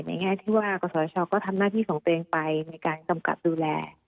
แง่ที่ว่ากศชก็ทำหน้าที่ของตัวเองไปในการกำกับดูแล